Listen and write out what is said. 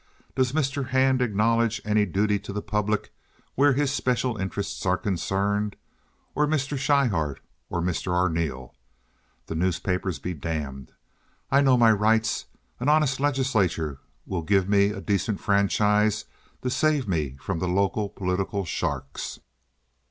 Does Mr. Hand acknowledge any duty to the public where his special interests are concerned? Or Mr. Schryhart? Or Mr. Arneel? The newspapers be damned! I know my rights. An honest legislature will give me a decent franchise to save me from the local political sharks."